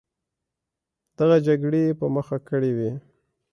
دغه جګړې یې په مخه کړې وې.